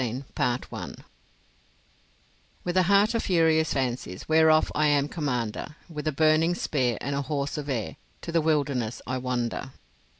CHAPTER XV With a heart of furious fancies, Whereof I am commander; With a burning spear and a horse of air, To the wilderness I wander.